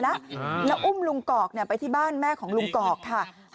นั่งเฉยนั่งเฉยนั่งเฉย